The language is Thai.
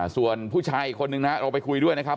ส่วนผู้ชายอีกคนนึงนะเราไปคุยด้วยนะครับ